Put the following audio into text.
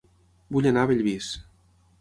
Vull anar a Bellvís